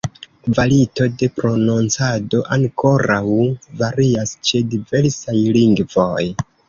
Kvalito de prononcado ankoraŭ varias ĉe diversaj lingvoj.